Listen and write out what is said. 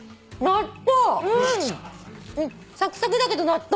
納豆！